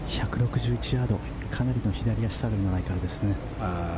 １６１ヤードかなりの左足下がりのライからですね。